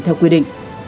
theo quy định